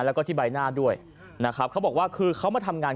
แล้วก็ที่ใบหน้าด้วยนะครับเขาบอกว่าคือเขามาทำงาน